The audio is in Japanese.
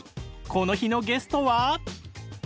この日のゲストは？